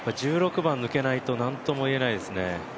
１６番抜けないと何とも言えないですね。